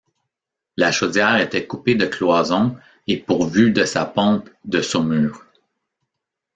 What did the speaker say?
La chaudière était coupée de cloisons et pourvue de sa pompe de saumure.